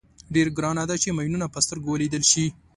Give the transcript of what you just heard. ډېره ګرانه ده چې ماینونه په سترګو ولیدل شي.